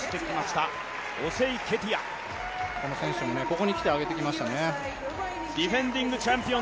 ケティア選手もここに来て上げてきましたね。